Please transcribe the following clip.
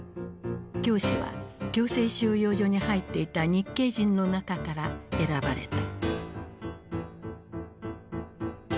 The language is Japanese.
教師は強制収容所に入っていた日系人の中から選ばれた。